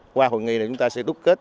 qua hội nghị này chúng ta sẽ đúc kết